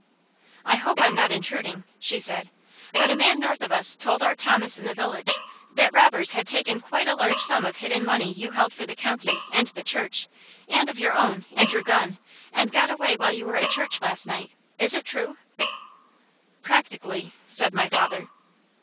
"I hope I'm not intruding," she said, "but a man north of us told our Thomas in the village that robbers had taken quite a large sum of hidden money you held for the county, and church, and of your own, and your gun, and got away while you were at church last night. Is it true?" "Practically," said my father.